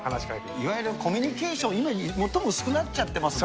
いわゆるコミュニケーション、今、最も薄くなっちゃってますよ